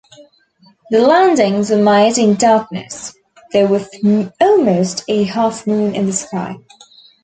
The landings were made in darkness, though with almost a half-moon in the sky.